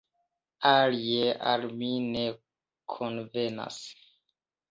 Alie al mi ne konvenas.